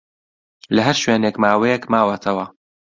لە ھەر شوێنێک ماوەیەک ماوەتەوە